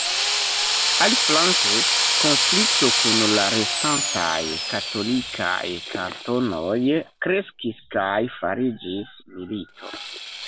Aliflanke, konflikto kun la restantaj katolikaj kantonoj kreskis kaj fariĝis milito.